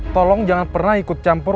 tolong jangan pernah ikut campur